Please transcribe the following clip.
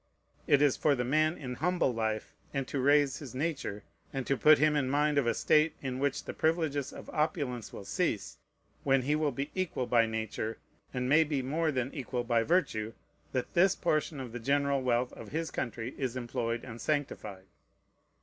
It is for the man in humble life, and to raise his nature, and to put him in mind of a state in which the privileges of opulence will cease, when he will be equal by nature, and may be more than equal by virtue, that this portion of the general wealth of his country is employed and sanctified.